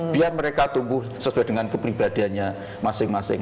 biar mereka tumbuh sesuai dengan kepribadiannya masing masing